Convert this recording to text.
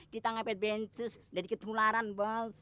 kita ngepet bensus jadi ketularan bos